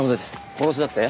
殺しだって？